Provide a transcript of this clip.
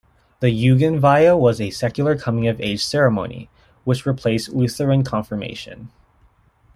The Jugendweihe was a secular coming-of-age ceremony which replaced Lutheran Confirmation.